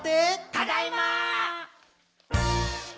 ただいま！